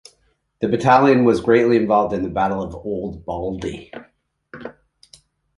The battalion was greatly involved in the Battle of Old Baldy.